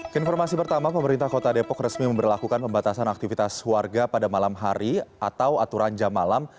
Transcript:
keinformasi pertama pemerintah kota depok resmi memperlakukan pembatasan aktivitas warga pada malam hari atau aturan jam malam